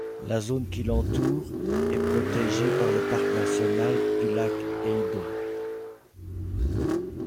La zone qui l'entoure est protégé par le parc national du lac Eildon.